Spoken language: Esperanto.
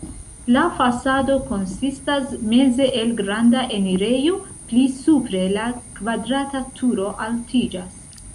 La fasado konsistas meze el granda enirejo, pli supre la kvadrata turo altiĝas.